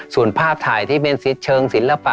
ส่วนภาพถ่ายที่เป็นเชิงศิลปะ